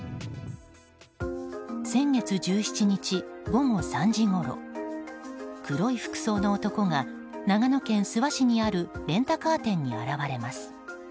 先月１７日、午後３時ごろ黒い服装の男が長野県諏訪市にあるレンタカー店に現れます。